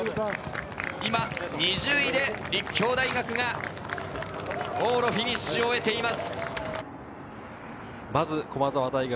今、２０位で立教大学が往路フィニッシュを終えています。